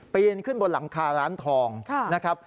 นขึ้นบนหลังคาร้านทองนะครับ